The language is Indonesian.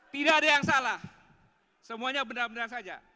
tidak ada yang salah semuanya benar benar saja